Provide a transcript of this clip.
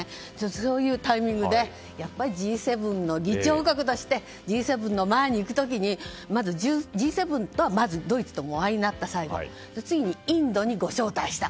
そういうタイミングでやっぱりＧ７の議長国としてＧ７の前に行く時にまずＧ７とはまずドイツとお会いになった次に次にインドにご招待した。